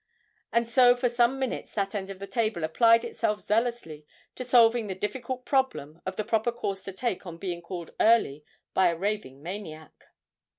And so for some minutes that end of the table applied itself zealously to solving the difficult problem of the proper course to take on being called early by a raving maniac.